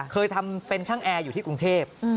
เคยทำเป็นช่างแอร์อยู่ที่กรุงเทพ